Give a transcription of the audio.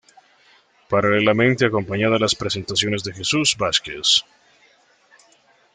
Paralelamente acompañaba las presentaciones de Jesús Vásquez.